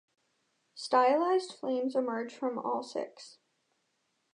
Stylized flames emerge from all six.